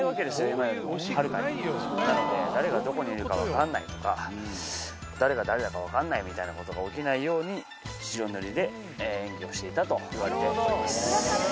今よりもはるかになので誰がどこにいるか分からないとか誰が誰だか分かんないみたいなことが起きないように白塗りで演技をしていたといわれております